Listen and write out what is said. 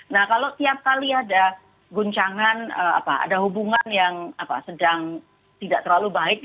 nah kalau tiap kali ada guncangan ada hubungan yang sedang tidak terlalu baik